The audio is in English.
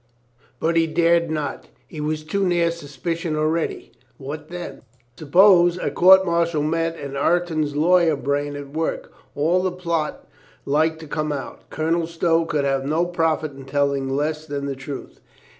But he dared not. He was too near suspicion already. What then? Sup pose a court martial met and Ireton's lawyer brain at^vork. All the plot was like to come out. Colonel Stow could have no profit in telling less than the truth.